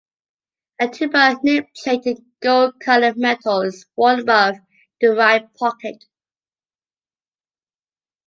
A two-part nameplate in gold-colored metal is worn above the right pocket.